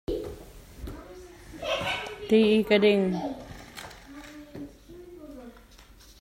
Ti ka ding.